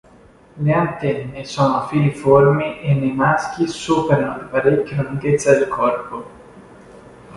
Le antenne sono filiformi e nei maschi superano di parecchio la lunghezza del corpo.